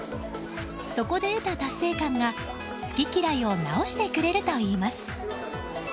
そこで得た達成感が、好き嫌いを直してくれるといいます。